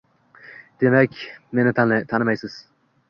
Demak, meni tanimaysiz